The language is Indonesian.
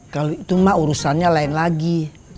kalau itu mah urusannya lain lagi